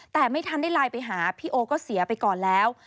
แต่ไม่ทันได้ไลน์ไปหาพี่โอก็เสียไปก่อนแล้ว